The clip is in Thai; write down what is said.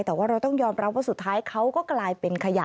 แต่ว่าเราต้องยอมรับว่าสุดท้ายเขาก็กลายเป็นขยะ